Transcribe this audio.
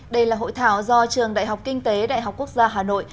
đây là hội thảo do trường đại học kinh tế đại học quốc gia hà nội